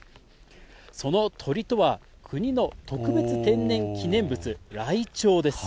その鳥とは、国の特別天然記念物、ライチョウです。